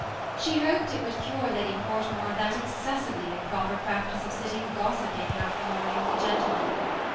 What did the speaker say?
She hoped it would cure Lady Fort more of that excessively improper practice of sitting gossiping half the morning with the gentlemen.